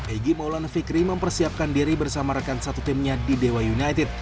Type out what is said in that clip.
egy maulana fikri mempersiapkan diri bersama rekan satu timnya di dewa united